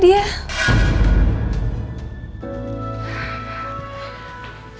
bisa marah besar dia